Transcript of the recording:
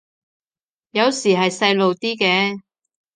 有時係細路啲嘅